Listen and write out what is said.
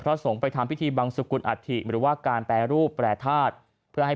สงฆ์ไปทำพิธีบังสุกุลอัฐิหรือว่าการแปรรูปแปรทาสเพื่อให้